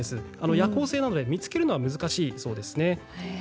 夜行性なので見つけるのは難しいそうです。